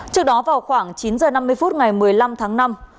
trước đó vào khoảng chín h năm mươi phút ngày một mươi năm tháng năm